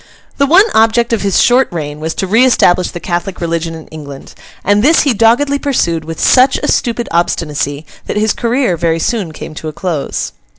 The one object of his short reign was to re establish the Catholic religion in England; and this he doggedly pursued with such a stupid obstinacy, that his career very soon came to a close.